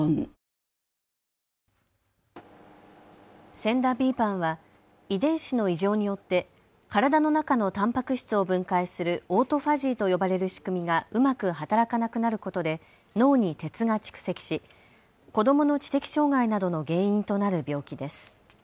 ＳＥＮＤＡ／ＢＰＡＮは遺伝子の異常によって体の中のタンパク質を分解するオートファジーと呼ばれる仕組みがうまく働かなくなることで脳に鉄が蓄積し子どもの知的障害などの原因となる病気です。